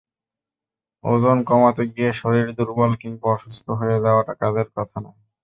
ওজন কমাতে গিয়ে শরীর দুর্বল কিংবা অসুস্থ হয়ে যাওয়াটা কাজের কথা নয়।